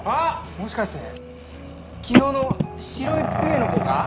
もしかして昨日の白い杖の子か？